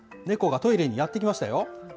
猫がトイレにやって来ましたよ。